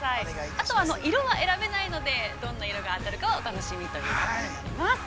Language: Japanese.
あとは色は選べないので、どんな色が当たるかはお楽しみということになります。